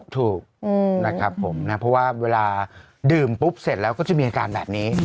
ถูกนะครับผมนะเพราะว่าเวลาดื่มปุ๊บเสร็จแล้วก็จะมีอาการแบบนี้